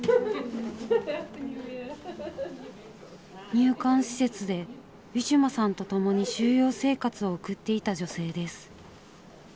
入管施設でウィシュマさんと共に収容生活を送っていた女性です。